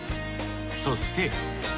そして。